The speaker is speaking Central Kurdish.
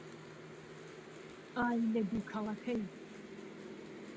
ئای لە دووكەڵەكەی